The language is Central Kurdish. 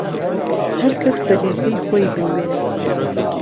ههر کهس به لێفهی خۆی بنوێ